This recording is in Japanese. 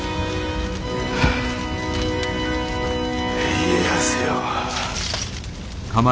家康よ！